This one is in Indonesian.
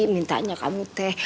mintanya kamu teh